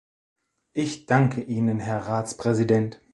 Ich danke Ihnen, Herr Ratspräsident!